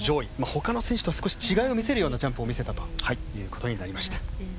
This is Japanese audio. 他の選手とは、少し違いを見せるようなジャンプを見せたということになりました。